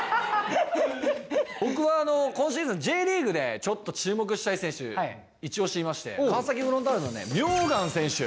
僕は今シーズンＪリーグでちょっと注目したい選手イチオシいまして川崎フロンターレの名願選手。